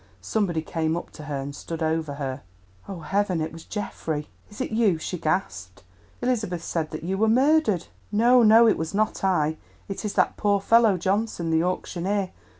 Somebody came up to her and stood over her. Oh, Heaven, it was Geoffrey! "Is it you?" she gasped. "Elizabeth said that you were murdered." "No, no. It was not I; it is that poor fellow Johnson, the auctioneer.